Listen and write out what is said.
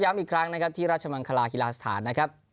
อีกครั้งนะครับที่ราชมังคลาฮิลาสถานนะครับ